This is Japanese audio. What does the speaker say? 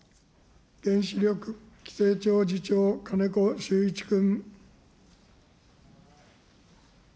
原子力規制庁次長、金子修一君。